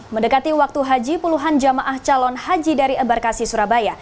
mendekati waktu haji puluhan jamaah calon haji dari ebarkasi surabaya